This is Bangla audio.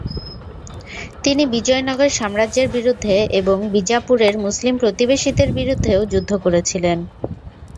তিনি বিজয়নগর সাম্রাজ্যের বিরুদ্ধে এবং বিজাপুরের মুসলিম প্রতিবেশীদের বিরুদ্ধেও যুদ্ধ করেছিলেন।